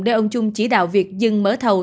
để ông trung chỉ đạo việc dừng mở thầu